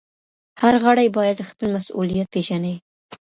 هر غړی بايد خپل مسؤليت پيژني.